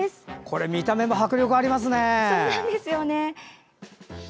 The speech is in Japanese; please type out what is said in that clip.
これ、見た目も迫力ありますね。